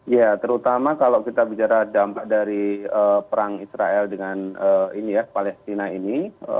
ya terutama kalau kita bicara dampak dari perang israel dengan palestina ini